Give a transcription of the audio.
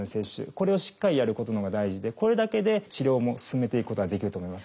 これをしっかりやることのほうが大事でこれだけで治療も進めていくことができると思います。